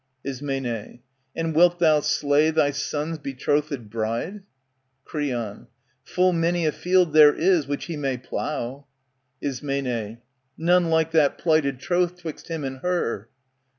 Ism, And wilt thou slay thy son's betrothed bride ? Creon, Full many a field there is which he may plough. "^ Ism, None like that plighted troth 'twixt him and her.